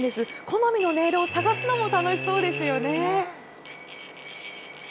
好みの音色を探すのも楽しそうですよね。